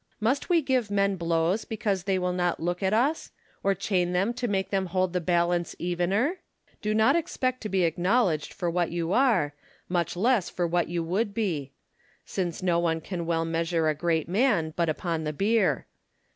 Must we give men blows because they will not look a<. us ? or chain them to make them hold the balance evener ? Do not expect to be acknowledged for what you are, much less for what you would be ; since no one can well measure a great man but upon the bier.